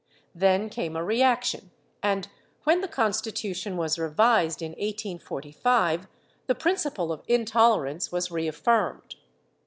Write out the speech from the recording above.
Then came a reaction and, when the Constitution was revised in 1845, the principle of intolerance was reaffirmed.